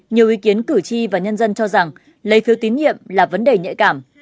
nhiều ý kiến cử tri và nhân dân cho rằng lấy phiếu tín nhiệm là vấn đề nhạy cảm